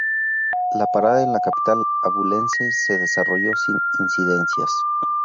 La parada en la capital abulense se desarrolló sin incidencias.